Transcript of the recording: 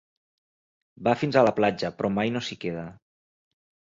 Va fins a la platja, però mai no s'hi queda.